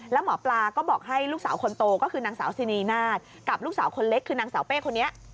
แล้วหมอปลาก็บอกให้ลูกสาวคนโตก็คือนางสาวซินีนาฏกับลูกสาวคนเล็กคือนางสาวเป้คนนี้